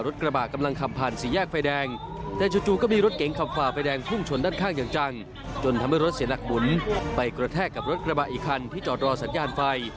ทำให้มีผู้บาดเจ็บ๒คน